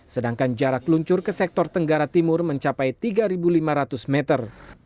sedangkan jarak luncur ke sektor tenggara timur mencapai tiga lima ratus meter